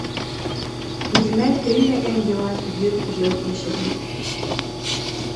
Үҙемә теймәгән йылан йөҙ йыл йәшәһен.